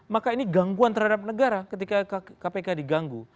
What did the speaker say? maka ini gangguan terhadap negara ketika kpk diganggu